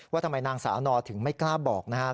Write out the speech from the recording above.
ว่าทำไมนางสาวนอถึงไม่กล้าบอกนะครับ